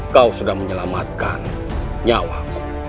kau sudah menyelamatkan nyawaku